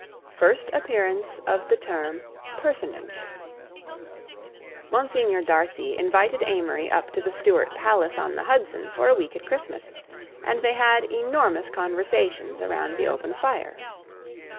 FIRST APPEARANCE OF THE TERM "PERSONAGE" Monsignor Darcy invited Amory up to the Stuart palace on the Hudson for a week at Christmas, and they had enormous conversations around the open fire.